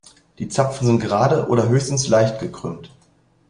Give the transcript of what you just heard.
Die Zapfen sind gerade oder höchstens leicht gekrümmt.